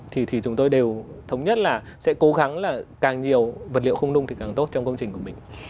thì chúng tôi đều thống nhất là sẽ cố gắng là càng nhiều vật liệu không nung thì càng tốt trong công trình của mình